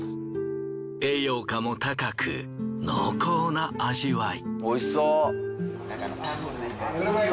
栄養価も高く濃厚な味わい。